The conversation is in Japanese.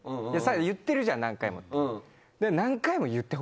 「言ってるじゃん何回も」って。